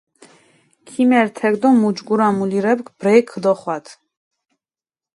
ქიმერთჷ თექ დო მუჯგურა მულირეფქ ბრელქ ქჷდოხვადუ.